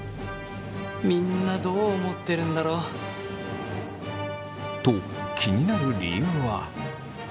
みんなどう思ってるんだろう？と気になる理由は。